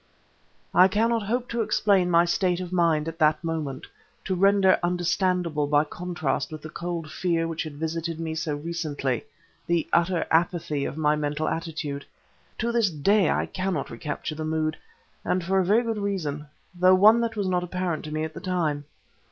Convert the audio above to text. I cannot hope to explain my state of mind at that moment, to render understandable by contrast with the cold fear which had visited me so recently, the utter apathy of my mental attitude. To this day I cannot recapture the mood and for a very good reason, though one that was not apparent to me at the time.